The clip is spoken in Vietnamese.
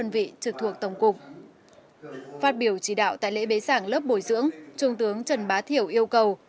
phát biểu chỉ đạo tại lễ bế giảng lớp bồi dưỡng trung tướng trần bá thiểu yêu cầu